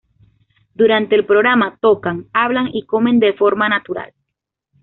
Durante el programa tocan, hablan y comen de forma natural.